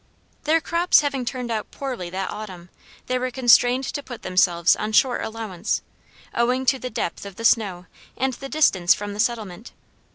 Their crops having turned out poorly that autumn, they were constrained to put themselves on short allowance, owing to the depth of the snow and the distance from the settlement.